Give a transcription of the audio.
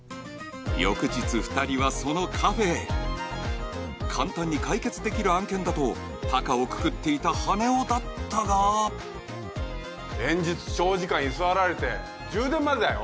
翌日２人はそのカフェへ簡単に解決できる案件だと高をくくっていた羽男だったが連日長時間居座られて充電までだよ